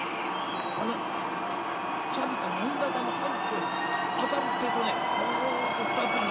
あのさびたなぎなたの刃んとこへ当たるってえとねパンっと二つに。